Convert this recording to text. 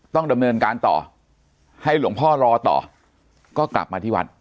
ต้องดำเนินการต่อให้หลวงพ่อรอต่อก็กลับมาที่วัด